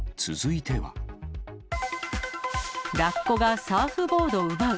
ラッコがサーフボード奪う。